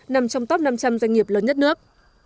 nằm trong top năm trăm linh doanh nghiệp lớn nhất nước